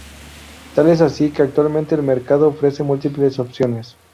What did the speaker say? Tal es así, que actualmente el mercado ofrece múltiples opciones.